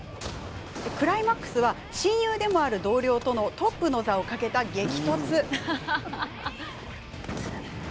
クライマックスは親友でもある同僚とのトップの座を賭けた激突。